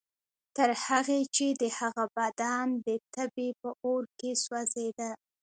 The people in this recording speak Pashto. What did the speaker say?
تر هغې چې د هغه بدن د تبې په اور کې سوځېده.